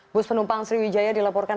bus penumpang sriwijaya dilaporkan